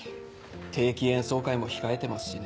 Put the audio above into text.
定期演奏会も控えてますしね。